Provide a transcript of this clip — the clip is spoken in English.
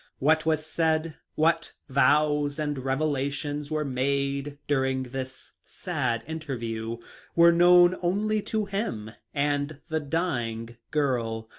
What was said, what vows and revelations were made during this sad interview, were known only to him and the dying girl.